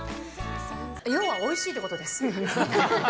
要はおいしいってことです。